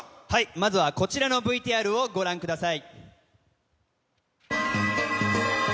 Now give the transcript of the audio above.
まずはこちらのＶＴＲをご覧ください。